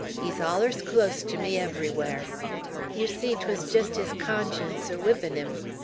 He's allers clost to me everywhar.' Yer see, 'twas jest his conscience er whippin' him.